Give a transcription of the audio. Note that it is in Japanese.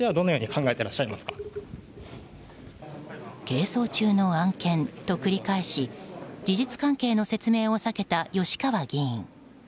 係争中の案件と繰り返し事実関係の説明を避けた吉川議員。